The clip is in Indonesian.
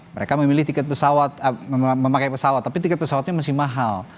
mereka memilih tiket pesawat memakai pesawat tapi tiket pesawatnya masih mahal